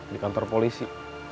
di kantor polisi